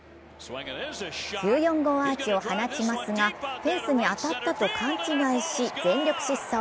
１４号アーチを放ちますが、フェンスに当たったと勘違いし、全力疾走。